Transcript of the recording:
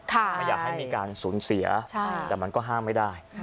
ไม่อยากให้มีการสูญเสียแต่มันก็ห้ามไม่ได้